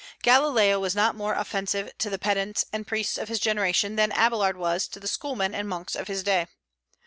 Galileo was not more offensive to the pedants and priests of his generation than Abélard was to the Schoolmen and monks of his day.